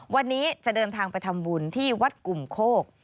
วันนี้จะเดินทางไปทำบุญที่วัดกลุ่มโคก